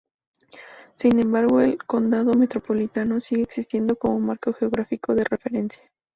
Sin embargo, el condado metropolitano sigue existiendo como marco geográfico de referencia.